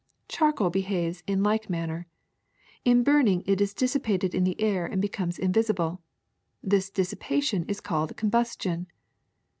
''Charcoal behaves in like manner. In burning it is dissipated in the air and becomes invisible. This dissipation is called combustion.